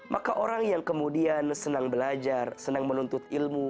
maka orang yang kemudian senang belajar senang menuntut ilmu